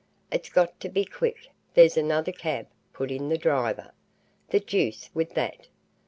"It's got to be quick. There's another cab," put in the driver. "The deuce with that."